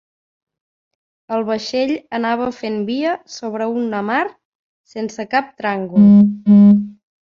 El vaixell anava fent via sobre una mar sense cap tràngol